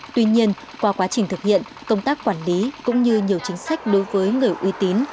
tuy nhiên qua quá trình thực hiện công tác quản lý cũng như nhiều chính sách đối với người uy tín